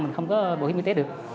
mình không có bổ hiểm y tế được